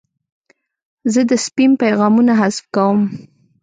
زه د سپیم پیغامونه حذف کوم.